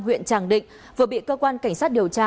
huyện tràng định vừa bị cơ quan cảnh sát điều tra